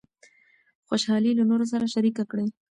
خوشحالي له نورو سره شریکه کړئ.